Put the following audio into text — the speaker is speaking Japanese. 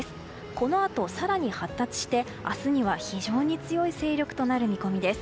このあと、更に発達して明日には非常に強い勢力となる見込みです。